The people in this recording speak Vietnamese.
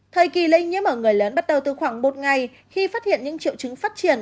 thời kỳ lây nhiễm ở người lớn bắt đầu từ khoảng một ngày khi phát hiện những triệu chứng phát triển